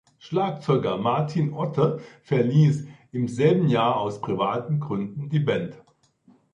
Schlagzeuger Martin Otte verließ im selben Jahr aus privaten Gründen die Band.